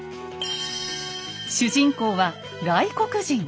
主人公は外国人。